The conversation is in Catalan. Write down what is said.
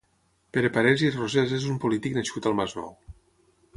Pere Parés i Rosés és un polític nascut al Masnou.